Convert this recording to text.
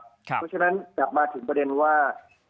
เพราะฉะนั้นกลับมาถึงประเด็นว่า